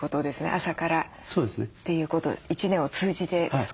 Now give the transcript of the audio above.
朝からということ一年を通じてですか？